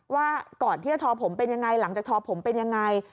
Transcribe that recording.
ว่าก่อนที่จะทอผมเป็นยังไงหลังจากทอผมเป็นยังไง